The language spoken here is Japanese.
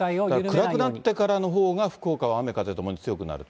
暗くなってからのほうが福岡は雨風ともに強くなると。